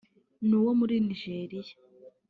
ni Uwo muri Nigeriya